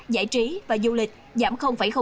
giải trí và du lịch giảm sáu